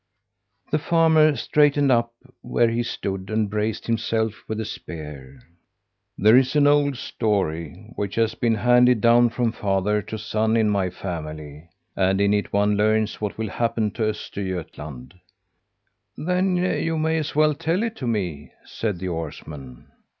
The farmer straightened up where he stood and braced himself with the spear. "There is an old story which has been handed down from father to son in my family; and in it one learns what will happen to Östergötland." "Then you may as well tell it to me," said the oarsman.